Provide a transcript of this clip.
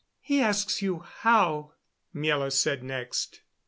"He asks you how?" Miela said next.